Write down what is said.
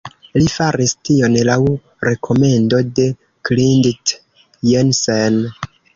Li faris tion laŭ rekomendo de Klindt-Jensen.